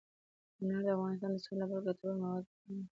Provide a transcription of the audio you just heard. انار د افغانستان د صنعت لپاره ګټور مواد برابروي.